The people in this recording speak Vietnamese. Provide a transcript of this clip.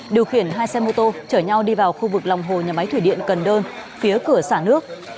điều khiển hai xe mô tô chở nhau đi vào khu vực lòng hồ nhà máy thủy điện cần đơn phía cửa xã nước